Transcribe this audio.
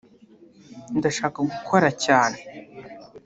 ndashaka gukora cyane